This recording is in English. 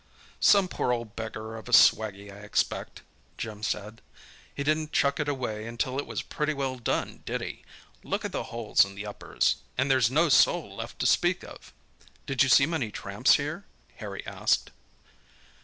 "Some poor old beggar of a swaggie, I expect," Jim said. "He didn't chuck it away until it was pretty well done, did he? Look at the holes in the uppers—and there's no sole left to speak of." "Do you see many tramps here?" Harry asked.